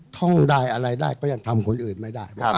ท่องได้อะไรได้ก็ยังทำคนอื่นไม่ได้